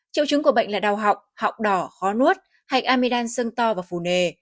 triệu chứng của bệnh là đau họng họng đỏ khó nuốt hạch amidam sưng to và phù nề